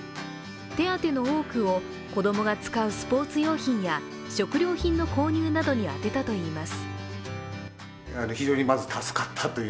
手当の多くを子供が使うスポーツ用品や食料品の購入などに充てたといいます。